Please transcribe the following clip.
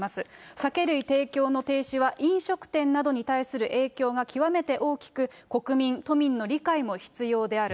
酒類提供の停止は、飲食店などに対する影響が極めて大きく、国民、都民の理解も必要である。